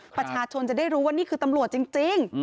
ประชาชนจะได้รู้ว่านี่คือตำรวจจริง